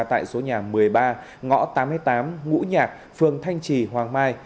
tại số nhà một mươi ba ngõ tám mươi tám ngũ nhạc phường thanh trì hoàng mai